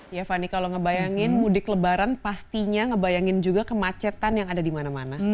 ya fani kalau ngebayangin mudik lebaran pastinya ngebayangin juga kemacetan yang ada di mana mana